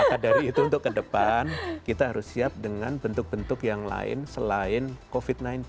maka dari itu untuk ke depan kita harus siap dengan bentuk bentuk yang lain selain covid sembilan belas